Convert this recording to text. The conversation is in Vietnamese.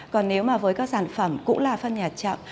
còn nếu mà với các sản phẩm cũng là phân nhà chậm